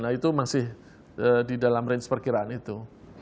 nah itu masih di dalam range perkiraan itu